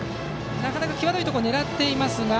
なかなか際どいところを狙っていますが。